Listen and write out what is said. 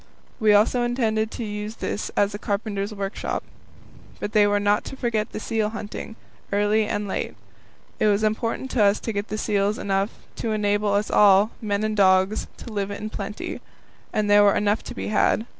We also intended to use this as a carpenter's workshop. But they were not to forget the seal hunting, early and late. It was important to us to get seals enough to enable us all, men and dogs, to live in plenty. And there were enough to be had.